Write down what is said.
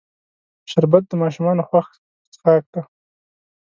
شربت د ماشومانو خوښ څښاک دی